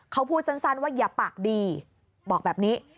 เขาพูดสั้นว่าอย่าปากดีบอกแบบนี้